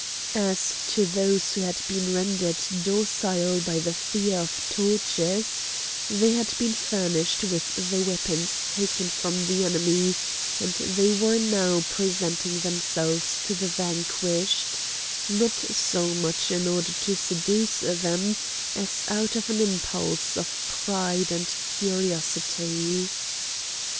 As to those who had been rendered docile by the fear of tortures, they had been furnished with the weapons taken from the enemy; and they were now presenting themselves to the vanquished, not so much in order to seduce them as out of an impulse of pride and curiosity.